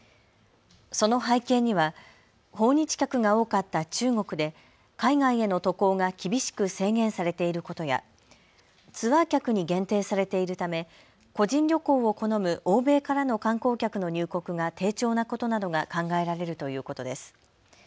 その背景には訪日客が多かった中国で海外への渡航が厳しく制限されていることやツアー客に限定されているため個人旅行を好む欧米からの観光客の入国が低調なことなどが考えられるということです。